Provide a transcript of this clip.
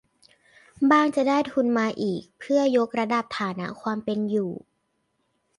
บ้างจะได้ทุนมาอีกเพื่อยกระดับฐานะความเป็นอยู่